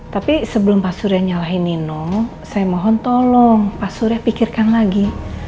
tapi sebelum pak surya nyalahin nino saya mohon tolong pak surya pikirkan lagi